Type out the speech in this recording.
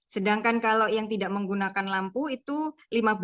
sedangkan kalau yang tidak menggunakan lampu itu lima belas